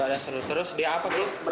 pak dasrul terus dia apa dulu